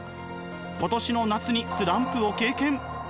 今年の夏にスランプを経験。